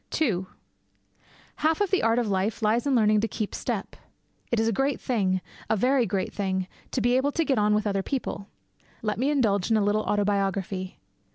II Half the art of life lies in learning to keep step. It is a great thing a very great thing to be able to get on with other people. Let me indulge in a little autobiography.